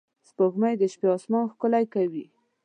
سپوږمۍ د شپې آسمان ښکلی کوي